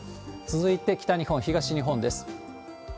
続いて北日本、東日本です。